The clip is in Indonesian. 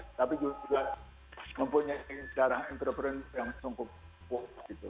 tapi juga mempunyai sejarah interpretasi yang sungguh gitu